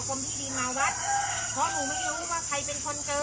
กรมพี่ดีมมาวัดเพราะหนูไม่รู้ว่าใครเป็นคนเกิน